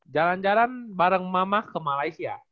jalan jalan bareng mama ke malaysia